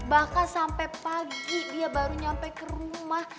bahkan sampai pagi dia baru nyampe ke rumah